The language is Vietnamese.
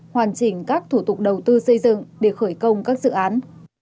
hoàn chỉnh các thủ tục đầu tư xây dựng để khởi công các dự án